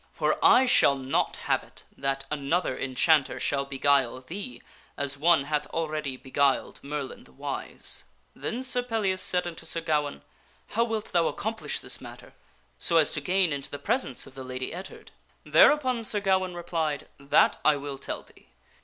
For I shall not have it that another enchanter shall beguile thee as one hath already beguiled Merlin the Wise." Then Sir Pellias said unto Sir Gawaine, " How wilt thou accomplish this matter so as to gain into the presence of the Lady Ettard ?" Thereupon Sir Gawaine replied, " That I will tell thee.